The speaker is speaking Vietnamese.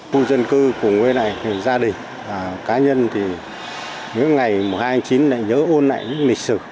tù dân cư của quê này gia đình cá nhân thì những ngày mùa hai tháng chín lại nhớ ôn lại lịch sử